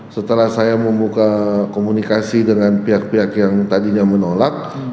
setelah saya membuka komunikasi dengan pihak pihak yang tadinya menolak